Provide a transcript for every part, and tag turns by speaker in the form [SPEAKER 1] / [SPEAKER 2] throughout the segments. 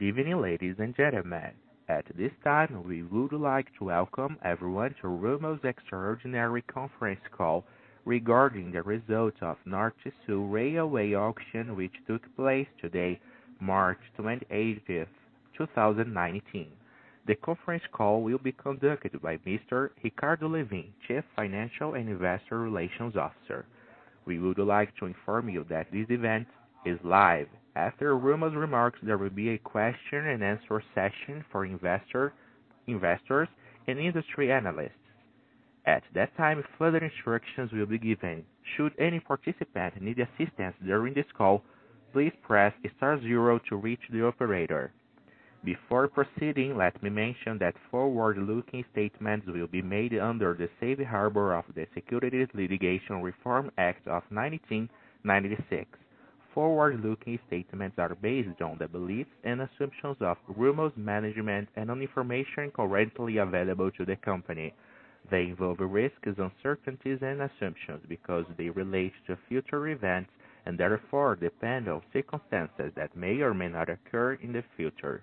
[SPEAKER 1] Good evening, ladies and gentlemen. At this time, we would like to welcome everyone to Rumo's extraordinary conference call regarding the result of Norte-Sul Railway auction, which took place today, March 28th, 2019. The conference call will be conducted by Mr. Ricardo Lewin, Chief Financial and Investor Relations Officer. We would like to inform you that this event is live. After Rumo's remarks, there will be a question and answer session for investors and industry analysts. At that time, further instructions will be given. Should any participant need assistance during this call, please press star zero to reach the operator. Before proceeding, let me mention that forward-looking statements will be made under the safe harbor of the Securities Litigation Reform Act of 1996. Forward-looking statements are based on the beliefs and assumptions of Rumo's management and on information currently available to the company. They involve risks, uncertainties and assumptions because they relate to future events and therefore depend on circumstances that may or may not occur in the future.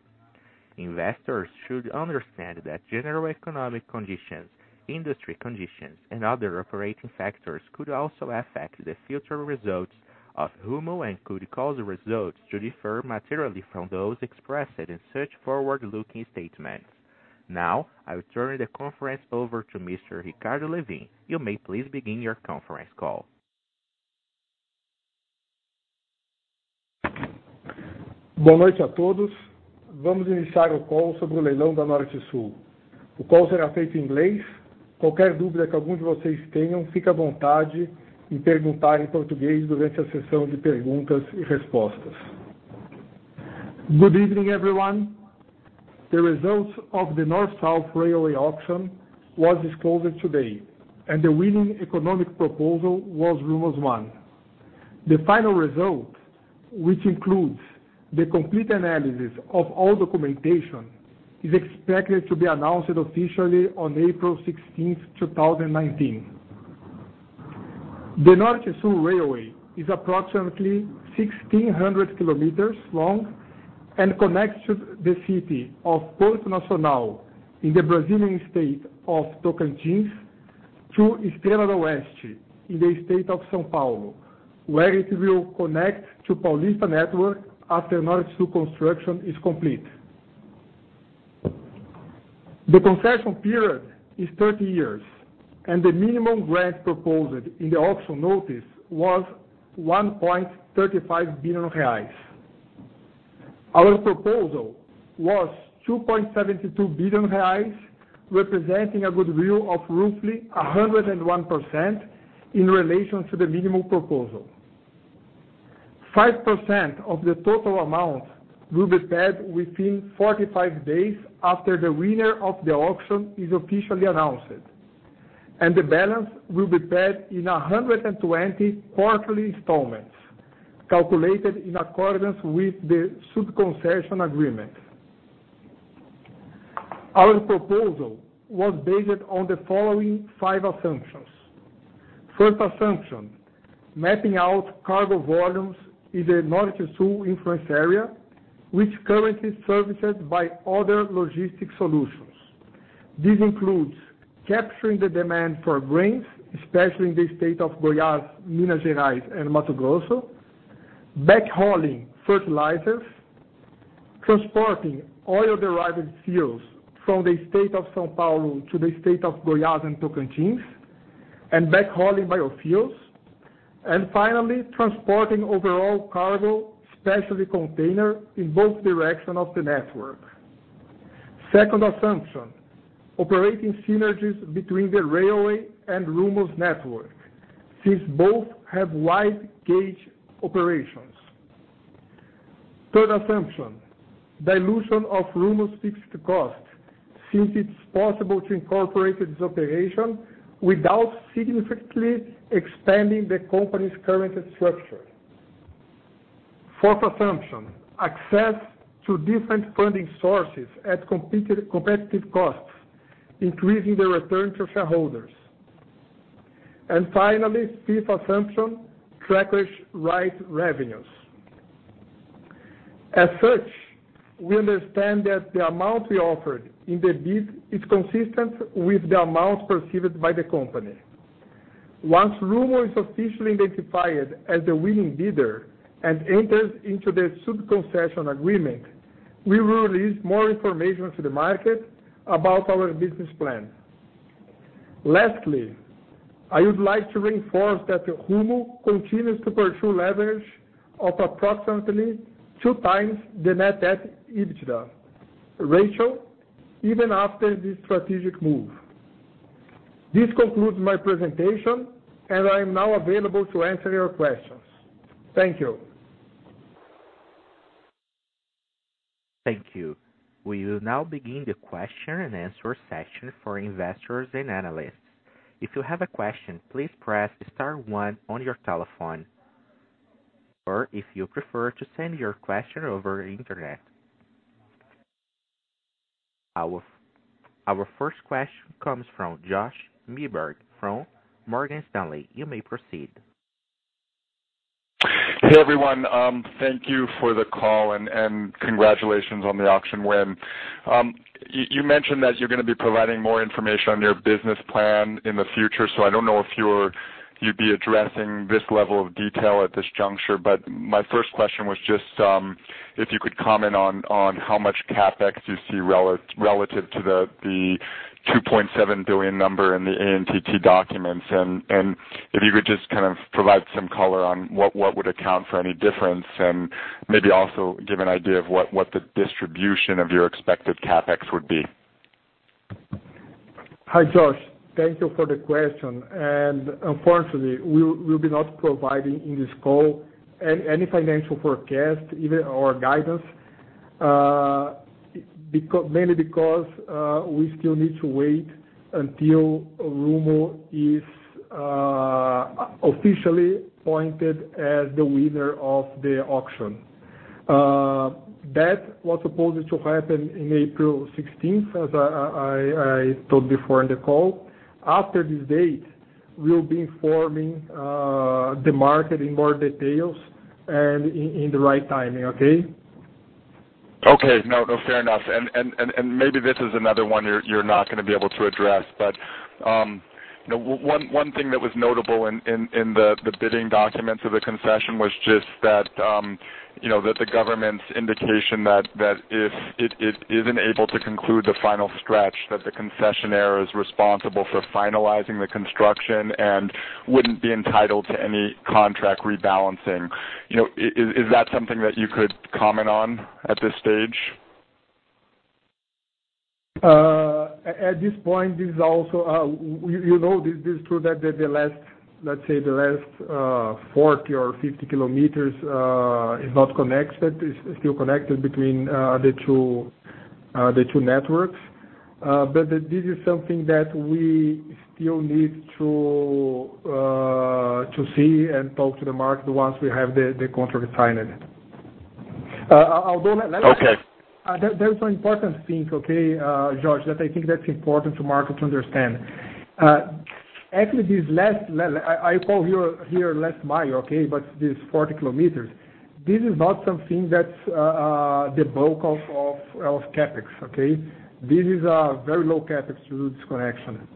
[SPEAKER 1] Investors should understand that general economic conditions, industry conditions, and other operating factors could also affect the future results of Rumo and could cause results to differ materially from those expressed in such forward-looking statements. I will turn the conference over to Mr. Ricardo Lewin. You may please begin your conference call.
[SPEAKER 2] Good evening, everyone. The results of the Norte-Sul Railway auction was disclosed today, the winning economic proposal was Rumo's one. The final result, which includes the complete analysis of all documentation, is expected to be announced officially on April 16th, 2019. The Norte-Sul Railway is approximately 1,600 kilometers long and connects the city of Porto Nacional in the Brazilian state of Tocantins to Estrela D'Oeste in the state of São Paulo, where it will connect to Paulista network after Norte-Sul construction is complete. The concession period is 30 years, and the minimum grant proposed in the auction notice was 1.35 billion reais. Our proposal was 2.72 billion reais, representing a goodwill of roughly 101% in relation to the minimum proposal. 5% of the total amount will be paid within 45 days after the winner of the auction is officially announced, the balance will be paid in 120 quarterly installments, calculated in accordance with the sub-concession agreement. Our proposal was based on the following five assumptions. First assumption, mapping out cargo volumes in the Norte-Sul influence area, which currently is serviced by other logistic solutions. This includes capturing the demand for grains, especially in the state of Goiás, Minas Gerais, and Mato Grosso, backhauling fertilizers, transporting oil-derived fuels from the state of São Paulo to the state of Goiás and Tocantins, backhauling biofuels. Finally, transporting overall cargo, especially container, in both directions of the network. Second assumption, operating synergies between the railway and Rumo's network, since both have wide gauge operations. Third assumption, dilution of Rumo's fixed cost, since it's possible to incorporate this operation without significantly expanding the company's current structure. Fourth assumption, access to different funding sources at competitive costs, increasing the return to shareholders. Finally, fifth assumption, trackage rights revenues. As such, we understand that the amount we offered in the bid is consistent with the amount perceived by the company. Once Rumo is officially identified as the winning bidder and enters into the sub-concession agreement, we will release more information to the market about our business plan. Lastly, I would like to reinforce that Rumo continues to pursue leverage of approximately two times the net debt EBITDA ratio, even after this strategic move. This concludes my presentation, and I'm now available to answer your questions. Thank you.
[SPEAKER 1] Thank you. We will now begin the question and answer session for investors and analysts. If you have a question, please press star one on your telephone. If you prefer to send your question over the Internet. Our first question comes from Josh Milberg from Morgan Stanley. You may proceed.
[SPEAKER 3] Hey, everyone. Thank you for the call, congratulations on the auction win. You mentioned that you're going to be providing more information on your business plan in the future, I don't know if you'd be addressing this level of detail at this juncture. My first question was just if you could comment on how much CapEx you see relative to the $2.7 billion number in the ANTT documents, if you could just provide some color on what would account for any difference, and maybe also give an idea of what the distribution of your expected CapEx would be.
[SPEAKER 2] Hi, Josh. Thank you for the question. Unfortunately, we will not be providing in this call any financial forecast or guidance. Mainly because we still need to wait until Rumo is officially appointed as the winner of the auction. That was supposed to happen on April 16th, as I told you before in the call. After this date, we will be informing the market in more details and in the right timing, okay?
[SPEAKER 3] Okay. No, fair enough. Maybe this is another one you're not going to be able to address, but one thing that was notable in the bidding documents of the concession was just the government's indication that if it isn't able to conclude the final stretch, that the concessionaire is responsible for finalizing the construction and wouldn't be entitled to any contract rebalancing. Is that something that you could comment on at this stage?
[SPEAKER 2] At this point, you know this too, that let's say the last 40 or 50 kilometers is not connected, it's still connected between the two networks. This is something that we still need to see and talk to the market once we have the contract signed.
[SPEAKER 3] Okay.
[SPEAKER 2] There's one important thing, okay, Josh, that I think that's important for the market to understand. Actually, this last, I call here last mile, okay, this 40 kilometers, this is not something that's the bulk of CapEx, okay? This is a very low CapEx to do this connection.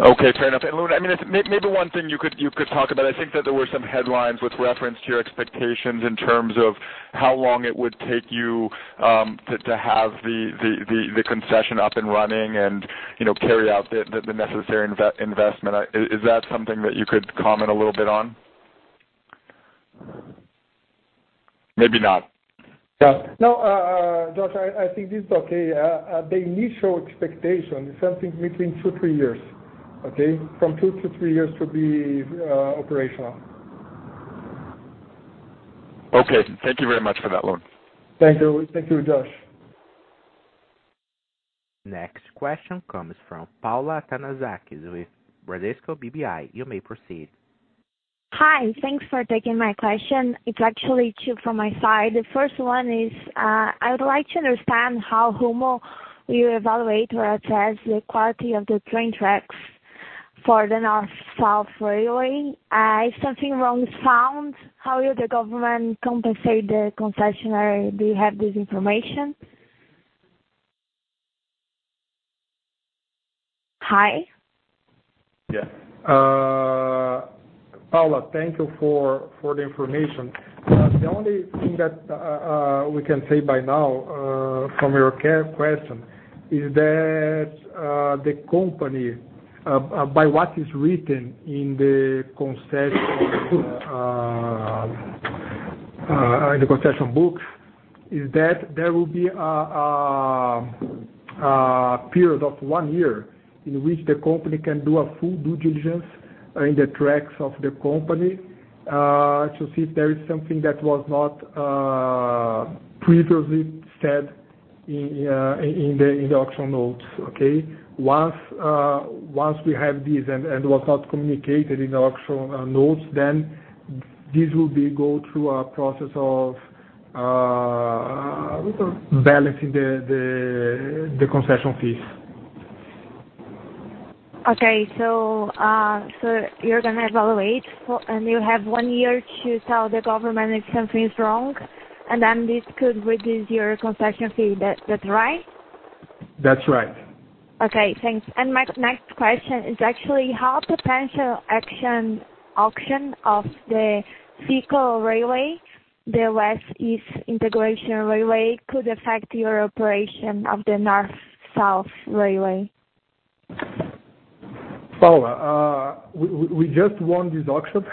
[SPEAKER 3] Okay, fair enough. Look, maybe one thing you could talk about, I think that there were some headlines with reference to your expectations in terms of how long it would take you to have the concession up and running and carry out the necessary investment. Is that something that you could comment a little bit on? Maybe not.
[SPEAKER 2] No, Josh, I think this is okay. The initial expectation is something between two, three years, okay? From two to three years to be operational.
[SPEAKER 3] Okay. Thank you very much for that, Lone.
[SPEAKER 2] Thank you, Josh.
[SPEAKER 1] Next question comes from Paula Athanassakis with Bradesco BBI. You may proceed.
[SPEAKER 4] Hi. Thanks for taking my question. It's actually two from my side. The first one is, I would like to understand how Rumo will evaluate or assess the quality of the train tracks for the Norte-Sul Railway. If something wrong is found, how will the government compensate the concessionaire? Do you have this information? Hi?
[SPEAKER 2] Yeah. Paula, thank you for the information. The only thing that we can say by now, from your question, is that the company, by what is written in the concession books, is that there will be a period of one year in which the company can do a full due diligence in the tracks of the company, to see if there is something that was not previously said in the auction notes, okay? Once we have this and was not communicated in the auction notes, this will go through a process of balancing the concession fees.
[SPEAKER 4] Okay, you're going to evaluate, and you have one year to tell the government if something is wrong, and then this could reduce your concession fee. That's right?
[SPEAKER 2] That's right.
[SPEAKER 4] Okay, thanks. My next question is actually, how potential auction of the FIOL railway, the West-East Integration Railway, could affect your operation of the North-South Railway?
[SPEAKER 2] Paula, we just won this auction.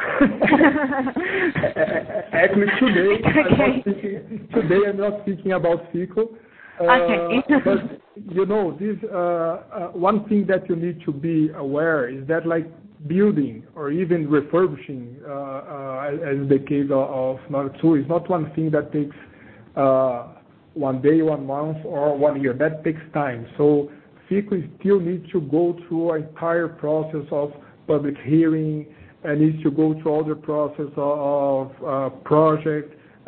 [SPEAKER 2] Actually today.
[SPEAKER 4] Okay.
[SPEAKER 2] Today I'm not speaking about FIOL.
[SPEAKER 4] Okay.
[SPEAKER 2] One thing that you need to be aware is that building or even refurbishing as the case of Norte-Sul, it's not one thing that takes one day, one month, or one year. That takes time. FIOL still needs to go through an entire process of public hearing, and needs to go through all the process of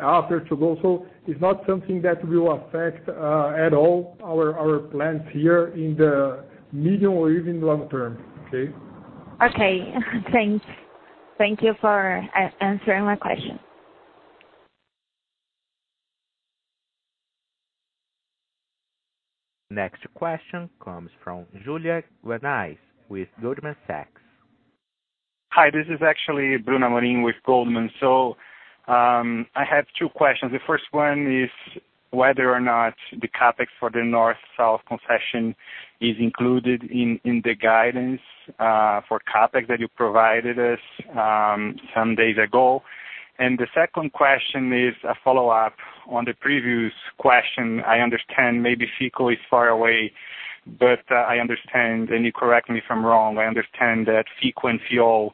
[SPEAKER 2] project after to go. It's not something that will affect at all our plans here in the medium or even long term. Okay?
[SPEAKER 4] Okay. Thanks. Thank you for answering my question.
[SPEAKER 1] Next question comes from Julia Gurnais with Goldman Sachs.
[SPEAKER 5] Hi, this is actually Bruno Amorim with Goldman. I have two questions. The first one is whether or not the CapEx for the Norte-Sul concession is included in the guidance for CapEx that you provided us some days ago. The second question is a follow-up on the previous question. I understand maybe FIOL is far away. You correct me if I'm wrong, I understand that FIOL and FIOL,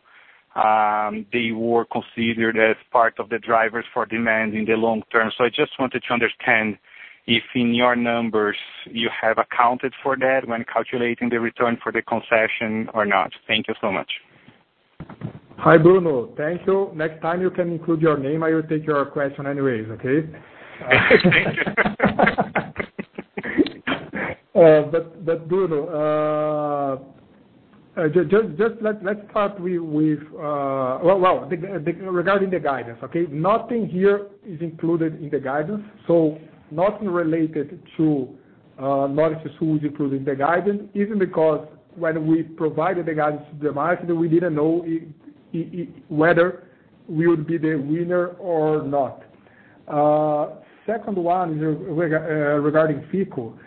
[SPEAKER 5] they were considered as part of the drivers for demand in the long term. I just wanted to understand if in your numbers you have accounted for that when calculating the return for the concession or not. Thank you so much.
[SPEAKER 2] Hi, Bruno. Thank you. Next time you can include your name, I will take your question anyways, okay?
[SPEAKER 5] Thank you.
[SPEAKER 2] Bruno, regarding the guidance. Nothing here is included in the guidance. Nothing related to Norte-Sul is included in the guidance, even because when we provided the guidance to the market, we didn't know whether we would be the winner or not. Second one is regarding FIOL.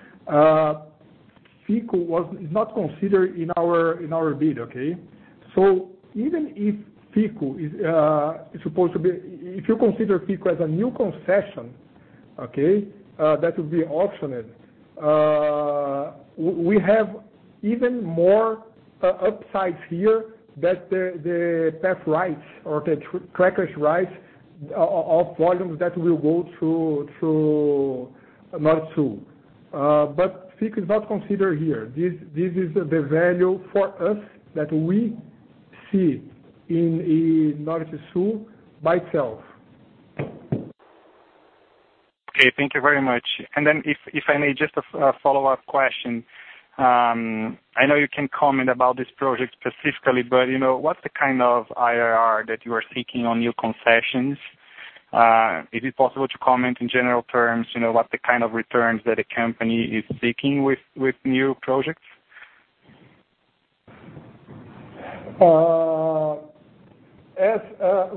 [SPEAKER 2] FIOL is not considered in our bid. Even if FIOL is supposed to be If you consider FIOL as a new concession that will be auctioned, we have even more upsides here that the path rights or the trackage rights of volumes that will go through Norte-Sul. FIOL is not considered here. This is the value for us that we see in Norte-Sul by itself.
[SPEAKER 5] Okay. Thank you very much. If I may, just a follow-up question. I know you can't comment about this project specifically, but what's the kind of IRR that you are seeking on new concessions? Is it possible to comment in general terms, what the kind of returns that a company is seeking with new projects?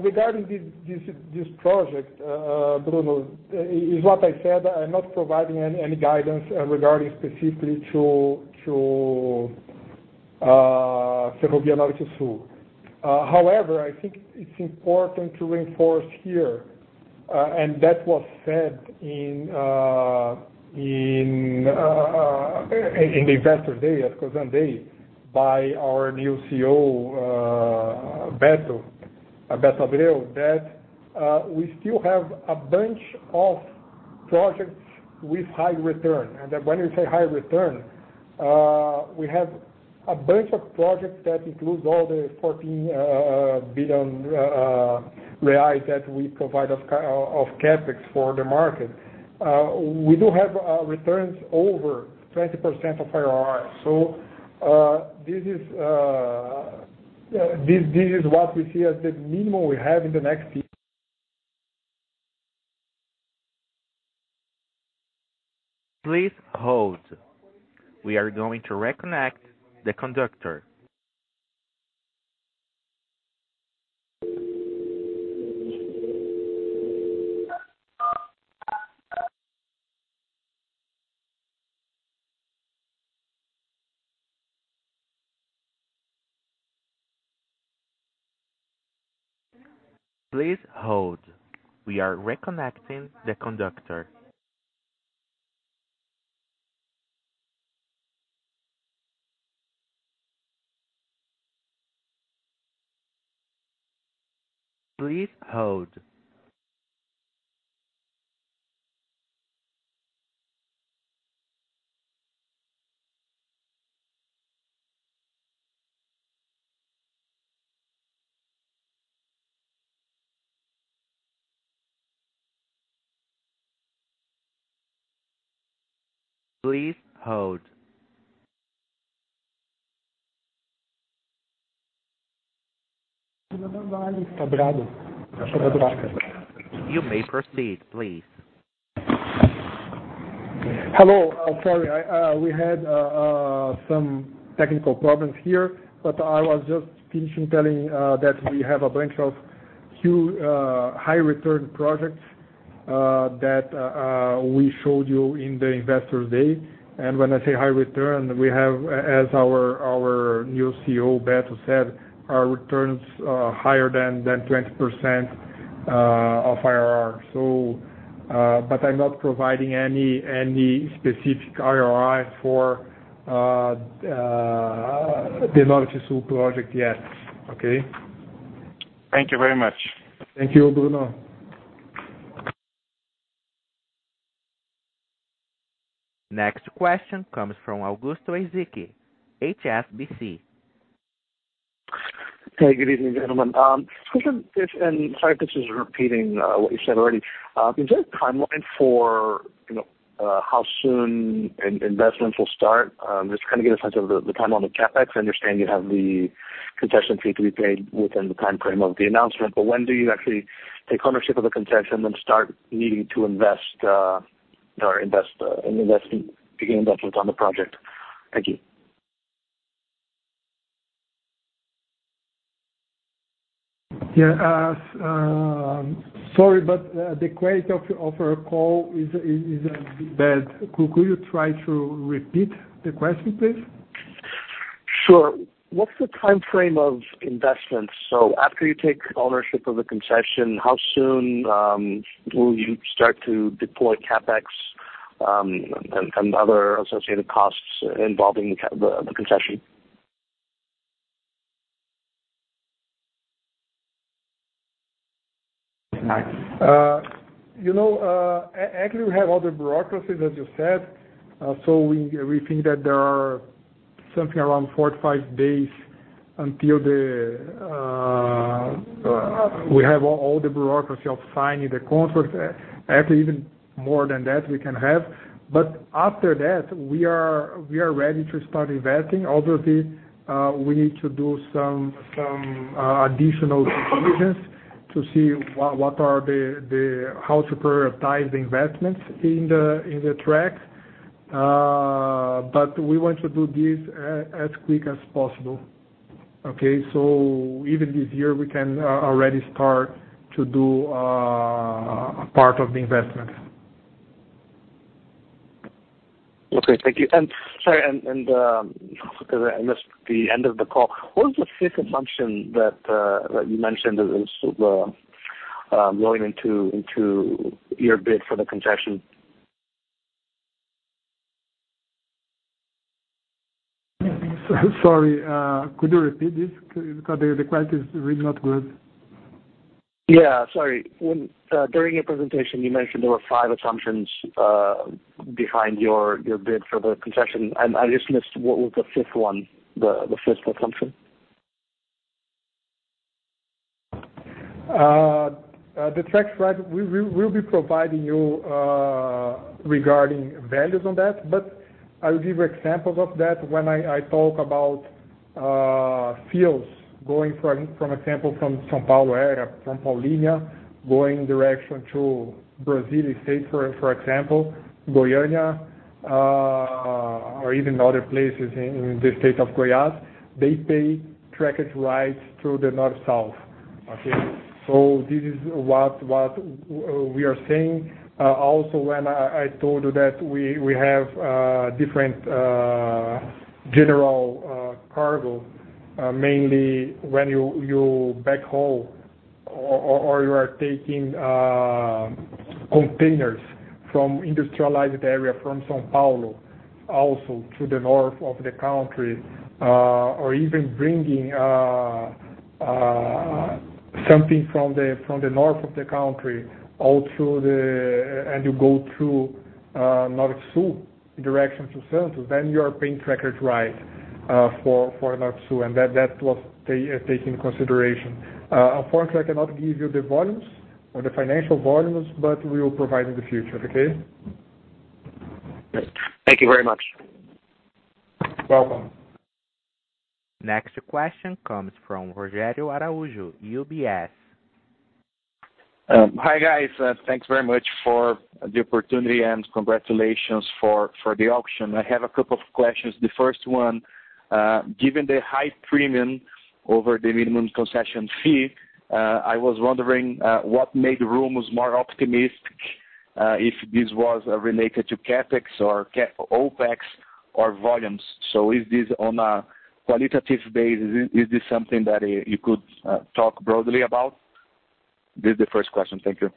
[SPEAKER 2] Regarding this project, Bruno, is what I said, I'm not providing any guidance regarding specifically to Ferrovia Norte-Sul. However, I think it's important to reinforce here, and that was said in the Investor Day, at Cosan Day, by our new CEO, Beto Abreu, that we still have a bunch of projects with high return. When we say high return, we have a bunch of projects that includes all the 14 billion that we provide of CapEx for the market. We do have returns over 20% of IRR. This is what we see as the minimum we have in the next few.
[SPEAKER 1] Please hold. We are going to reconnect the conductor. Please hold. We are reconnecting the conductor. Please hold. Please hold. You may proceed, please.
[SPEAKER 2] Hello. Sorry, we had some technical problems here, but I was just finishing telling that we have a bunch of huge high return projects that we showed you in the investors day. When I say high return, we have, as our new CEO, Beto said, our returns are higher than 20% of IRR. I'm not providing any specific IRR for the Norte-Sul project, yes. Okay?
[SPEAKER 5] Thank you very much.
[SPEAKER 2] Thank you, Bruno.
[SPEAKER 1] Next question comes from Augusto Ezequiel, HSBC.
[SPEAKER 6] Hey, good evening, gentlemen. Sorry if this is repeating what you said already. Is there a timeline for how soon investments will start? Just to get a sense of the timeline of CapEx. I understand you have the concession fee to be paid within the timeframe of the announcement, when do you actually take ownership of the concession, then start needing to begin investments on the project? Thank you.
[SPEAKER 2] Yeah. Sorry, the quality of your call is a bit bad. Could you try to repeat the question, please?
[SPEAKER 6] Sure. What's the timeframe of investments? After you take ownership of the concession, how soon will you start to deploy CapEx and other associated costs involving the concession?
[SPEAKER 2] Actually, we have all the bureaucracy, as you said. We think that there are something around four to five days until we have all the bureaucracy of signing the contract. Actually, even more than that we can have. After that, we are ready to start investing. Obviously, we need to do some additional decisions to see how to prioritize the investments in the track. We want to do this as quickly as possible. Okay? Even this year, we can already start to do a part of the investment.
[SPEAKER 6] Okay. Thank you. Sorry, because I missed the end of the call. What is the fifth assumption that you mentioned that is going into your bid for the concession?
[SPEAKER 2] Sorry, could you repeat this? Because the quality is really not good.
[SPEAKER 6] Yeah. Sorry. During your presentation, you mentioned there were five assumptions behind your bid for the concession. I just missed what was the fifth one, the fifth assumption.
[SPEAKER 2] The trackage right, we will be providing you regarding values on that, but I will give you examples of that when I talk about fuels going, for example, from São Paulo area, from Paulínia, going direction to Goiás state, for example, Goiânia, or even other places in the state of Goiás. They pay trackage rights through the Norte-Sul. Okay? This is what we are saying. Also, when I told you that we have different general cargo, mainly when you back haul or you are taking containers from industrialized area from São Paulo, also to the north of the country, or even bringing something from the north of the country, and you go through Norte-Sul in direction to Centro, then you are paying trackage right for Norte-Sul, and that was taken into consideration. Unfortunately, I cannot give you the volumes or the financial volumes, but we will provide in the future. Okay?
[SPEAKER 6] Thank you very much.
[SPEAKER 2] Welcome.
[SPEAKER 1] Next question comes from Rogerio Araujo, UBS.
[SPEAKER 7] Hi, guys. Thanks very much for the opportunity and congratulations for the auction. I have a couple of questions. The first one, given the high premium over the minimum concession fee, I was wondering what made Rumo's more optimistic, if this was related to CapEx or OpEx or volumes. Is this on a qualitative base? Is this something that you could talk broadly about? This is the first question. Thank you.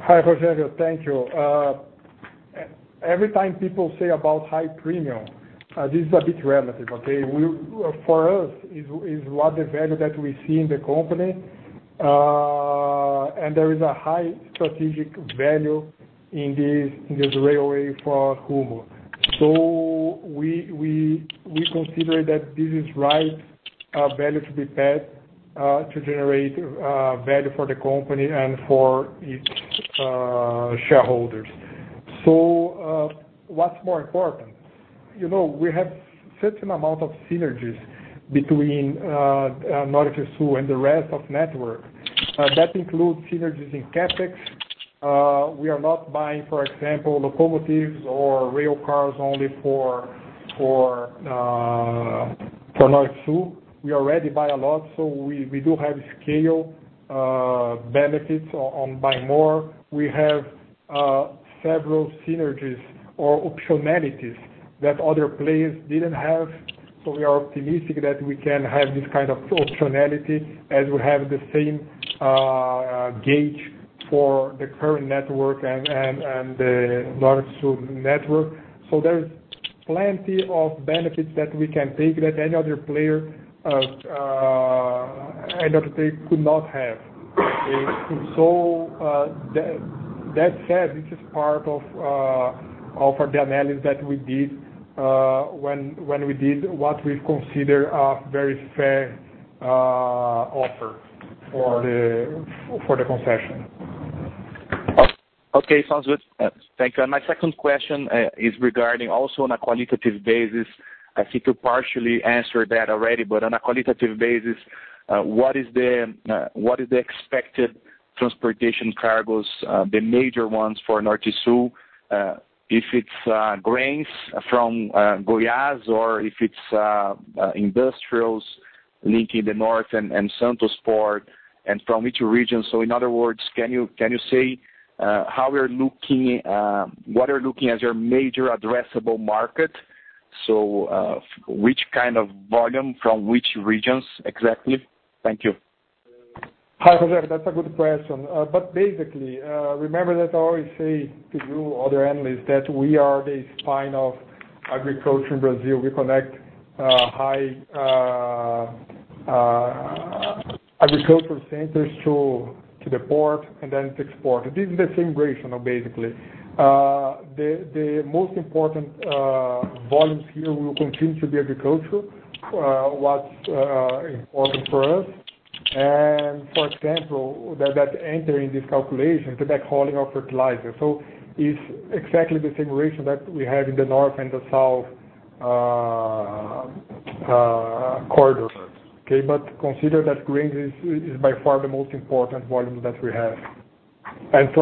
[SPEAKER 2] Hi, Rogerio. Thank you. Every time people say about high premium, this is a bit relative, okay? For us, is what the value that we see in the company, and there is a high strategic value in this railway for Rumo. We consider that this is right value to be paid to generate value for the company and for its shareholders. What's more important? We have certain amount of synergies between Norte-Sul and the rest of network. That includes synergies in CapEx. We are not buying, for example, locomotives or rail cars only for Norte-Sul. We already buy a lot, so we do have scale benefits on buy more. We have several synergies or optionalities that other players didn't have. We are optimistic that we can have this kind of optionality as we have the same gauge for the current network and the Norte-Sul network. There is plenty of benefits that we can take that any other player, end of the day, could not have. That said, this is part of the analysis that we did when we did what we consider a very fair offer for the concession.
[SPEAKER 7] Okay. Sounds good. Thank you. My second question is regarding also on a qualitative basis. I think you partially answered that already, but on a qualitative basis, what is the expected transportation cargos, the major ones for Norte-Sul, if it's grains from Goiás or if it's industrials linking the north and Santos Port and from which region? In other words, can you say what you're looking as your major addressable market? Which kind of volume from which regions exactly? Thank you.
[SPEAKER 2] Hi, Rogerio. That's a good question. Basically, remember that I always say to you, other analysts, that we are the spine of agriculture in Brazil. We connect high agricultural centers to the port, then it's exported. This is the same rationale, basically. The most important volumes here will continue to be agricultural, what's important for us. For example, that enter in this calculation, the back-hauling of fertilizer. It's exactly the same ratio that we have in the north and the south corridors. Okay? Consider that grains is by far the most important volume that we have. Obviously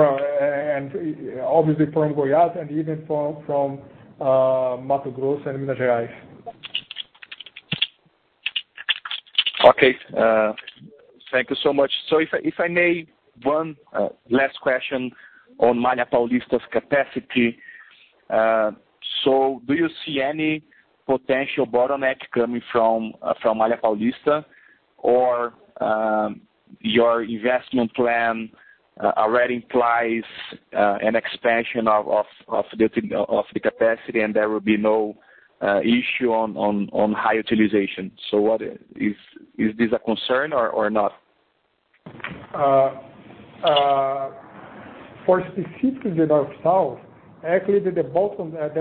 [SPEAKER 2] from Goiás and even from Mato Grosso and Minas Gerais.
[SPEAKER 7] Okay. Thank you so much. If I may, one last question on Malha Paulista's capacity. Do you see any potential bottleneck coming from Malha Paulista or your investment plan already implies an expansion of the capacity and there will be no issue on high utilization. Is this a concern or not?
[SPEAKER 2] For specifically the Norte-Sul, actually, there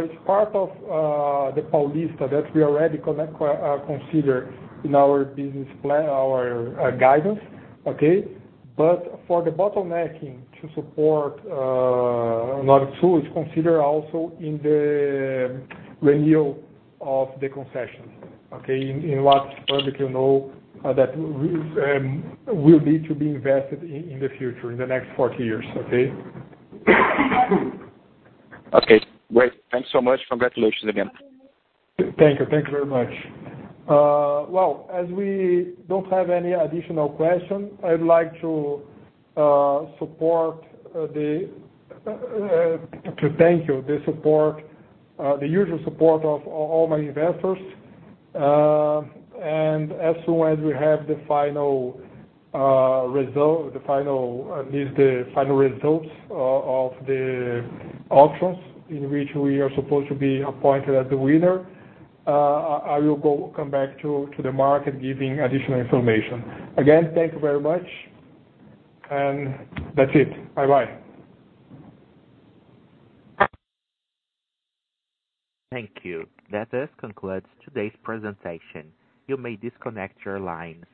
[SPEAKER 2] is part of the Paulista that we already consider in our business plan, our guidance. Okay? For the bottlenecking to support Norte-Sul is considered also in the renewal of the concessions. Okay? In what public you know that will be invested in the future, in the next 40 years, okay?
[SPEAKER 7] Okay, great. Thanks so much. Congratulations again.
[SPEAKER 2] Thank you. Thank you very much. Well, as we don't have any additional question, I'd like to thank you. The usual support of all my investors. As soon as we have the final results of the auctions in which we are supposed to be appointed as the winner, I will come back to the market, giving additional information. Again, thank you very much. That's it. Bye-bye.
[SPEAKER 1] Thank you. That does conclude today's presentation. You may disconnect your lines.